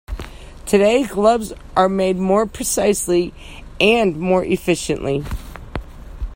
Today, gloves are made more precisely and more efficiently.